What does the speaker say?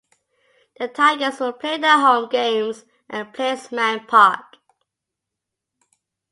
The Tigers will play their home games at Plainsman Park.